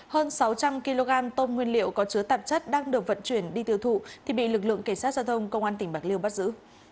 hơn sáu trăm linh kg tôm nguyên liệu có chứa tạp chất đang được vận chuyển đi tiêu thụ thì bị lực lượng cảnh sát giao thông công an tỉnh bạc liêu bắt giữ